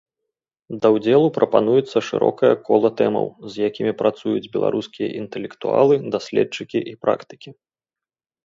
Да ўдзелу прапануецца шырокае кола тэмаў, з якімі працуюць беларускія інтэлектуалы, даследчыкі і практыкі.